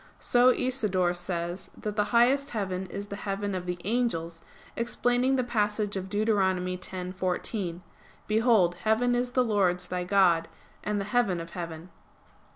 So Isidore says that the highest heaven is the heaven of the angels, explaining the passage of Deut. 10:14: "Behold heaven is the Lord's thy God, and the heaven of heaven."